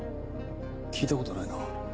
聞いたことないな。